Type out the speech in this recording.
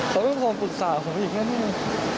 เขาไม่พอปรึกษาผมอีกนั้นเลย